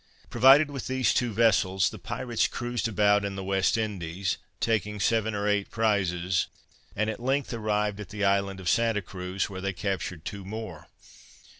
Provided with these two vessels, the pirates cruised about in the West Indies, taking seven or eight prizes, and at length arrived at the island of Santa Cruz, where they captured two more.